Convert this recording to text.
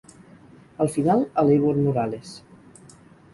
Al final elevo en Morales.